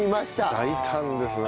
大胆ですね。